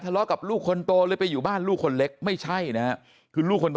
เลาะกับลูกคนโตเลยไปอยู่บ้านลูกคนเล็กไม่ใช่นะฮะคือลูกคนโต